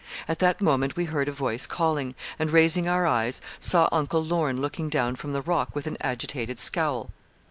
At that moment we heard a voice calling, and raising our eyes, saw Uncle Lorne looking down from the rock with an agitated scowl.